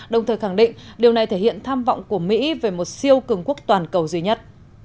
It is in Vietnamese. đồng thời khẳng định điều này thể hiện tham vọng của mỹ về một siêu cường quốc toàn cầu duy nhất